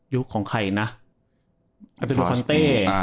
ยุคของใครนะอาจารย์คอนเต้